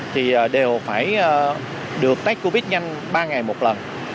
thì đều phải được tech covid nhanh ba ngày một lần